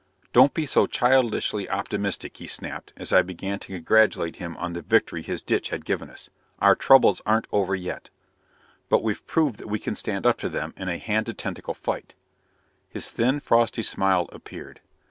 "Don't be so childishly optimistic!" he snapped as I began to congratulate him on the victory his ditch had given us. "Our troubles aren't over yet!" "But we've proved that we can stand up to them in a hand to tentacle fight " His thin, frosty smile appeared.